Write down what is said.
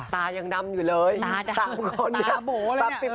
ตายังดำอยู่เลยตาดำ๓คนเนี่ย